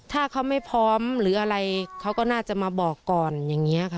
ถ้าเขาไม่พร้อมหรืออะไรเขาก็น่าจะมาบอกก่อนอย่างนี้ค่ะ